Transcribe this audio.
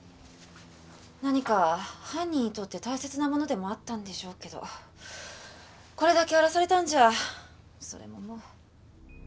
何か犯人にとって大切なものでもあったんでしょうけどこれだけ荒らされたんじゃそれももう。